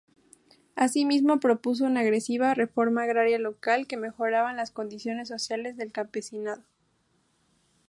Asimismo propuso una agresiva reforma agraria local que mejoraban las condiciones sociales del campesinado.